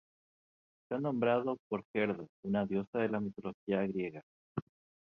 Está nombrado por Gerda, una diosa de la mitología griega.